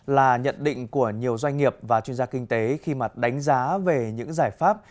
là nhận định của nhiều doanh nghiệp và chuyên gia kinh tế khi mà đánh giá về những giải pháp